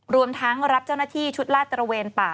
รวมทั้งรับเจ้าหน้าที่ชุดลาดตระเวนป่า